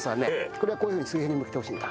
これはこういう風に水平に向けてほしいんだ。